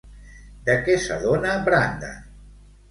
De què s'adona Brandan?